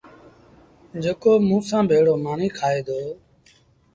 جيڪو موٚنٚ سآݩٚ ڀيڙو مآݩيٚ کآئي دو